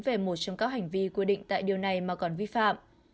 về một trong các hành vi quy định tại điều này mà còn vi phạm